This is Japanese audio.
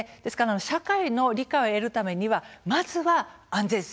社会の理解を得るためには、まずは安全性